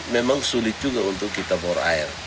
memang sulit juga untuk kita bor air